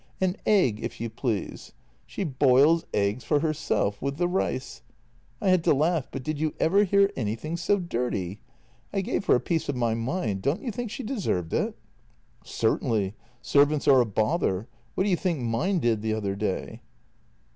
An egg, if you please. She boils eggs for herself with the rice! I had to laugh, but did you ever hear anything so dirty? I gave her a piece of my mind. Don't you think she deserved it? "" Certainly. Servants are a bother. What do you think mine did the other day?